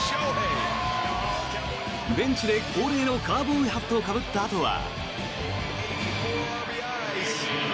ベンチで恒例のカウボーイハットをかぶったあとは。